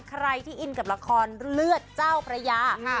ใครที่อินกับละครเลือดเจ้าพระยา